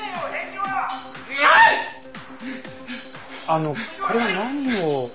あのこれは何を？